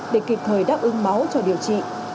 để kịp thời đáp ứng máu cho điều trị